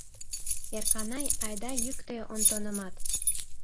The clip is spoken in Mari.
Эрканай, айда йӱктӧ Онтонымат.